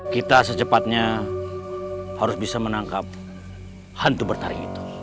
kita secepatnya harus bisa menangkap hantu bertari itu